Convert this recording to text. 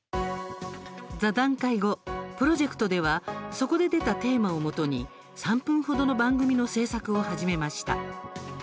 座談会後、プロジェクトではそこで出たテーマをもとに３分程の番組の制作を始めました。